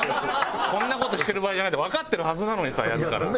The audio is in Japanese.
こんな事してる場合じゃないってわかってるはずなのにさやるから。